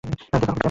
দেখা হবে, চ্যাম্প।